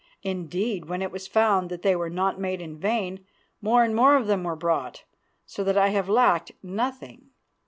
Indeed, when it was found that they were not made in vain, more and more of them were brought, so that I have lacked nothing.